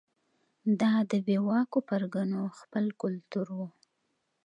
دا د بې واکو پرګنو خپل کلتور و.